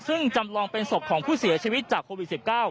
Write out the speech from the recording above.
ซึ่งจำลองเป็นศพของผู้เสียชีวิตจากโควิด๑๙